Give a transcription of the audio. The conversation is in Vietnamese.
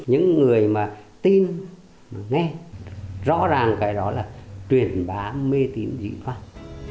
những người mà tin nghe rõ ràng cái đó là truyền bá mê tín dịu dàng